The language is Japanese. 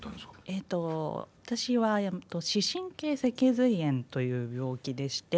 えっと私は視神経脊髄炎という病気でして。